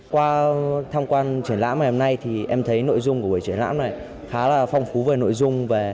qua tham quan triển lãm ngày hôm nay thì em thấy nội dung của buổi triển lãm này khá là phong phú về nội dung